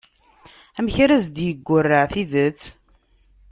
Amek ara as-d-yeggurraɛ tidet?